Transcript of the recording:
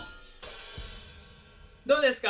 どうですか？